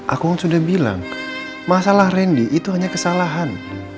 aku sudah bilang masalah randy itu hanya kesalahan